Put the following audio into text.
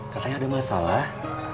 katanya ada masalah